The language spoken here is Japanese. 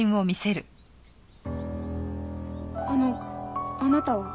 あのあなたは？